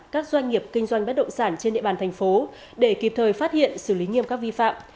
các doanh nghiệp kinh doanh bất động sản trên địa bàn thành phố để kịp thời phát hiện xử lý nghiêm các vi phạm